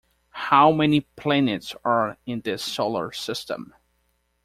How many planets are in this solar system?